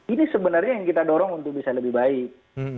ini sebenarnya yang kita dorong untuk bisa lebih baik